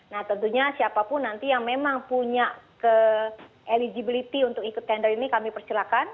nah tentunya siapapun nanti yang memang punya eligibility untuk ikut tender ini kami persilahkan